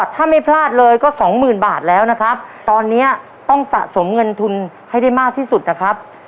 ถ้าไม่พลาดเลยก็สองหมื่นบาทแล้วนะครับตอนนี้ต้องสะสมเงินทุนให้ได้มากที่สุดนะครับ